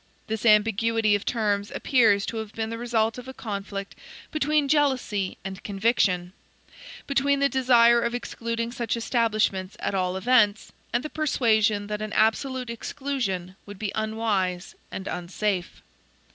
This ambiguity of terms appears to have been the result of a conflict between jealousy and conviction; between the desire of excluding such establishments at all events, and the persuasion that an absolute exclusion would be unwise and unsafe.